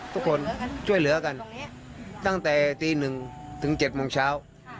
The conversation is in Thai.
ทุกคนช่วยเหลือกันตั้งแต่ตี๑ถึง๗โมงเช้า